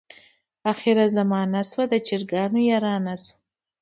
اخره زمانه شوه، د چرګانو یارانه شوه.